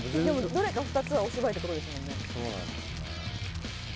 どれか２つはお芝居ってことですもんね